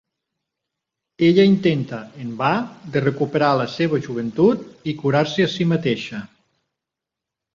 Ella intenta, en va, de recuperar la seva joventut i curar-se a si mateixa.